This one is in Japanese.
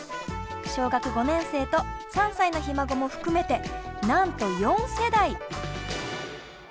小学５年生と３歳のひ孫も含めてなんと４世代！